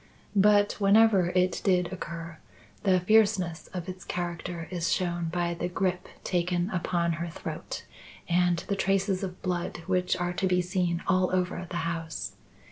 But, whenever it did occur, the fierceness of its character is shown by the grip taken upon her throat and the traces of blood which are to be seen all over the house.